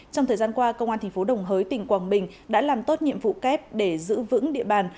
trong thời gian qua công an thành phố đồng hới tỉnh quảng bình đã làm tốt nhiệm vụ kép để giữ vững địa bàn